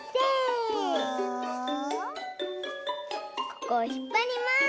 ここをひっぱります！